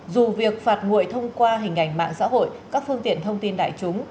dù việc phạt nguội thông qua hình ảnh mạng xã hội các phương tiện thông tin đại chúng